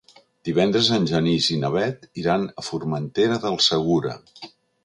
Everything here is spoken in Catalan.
Divendres en Genís i na Bet iran a Formentera del Segura.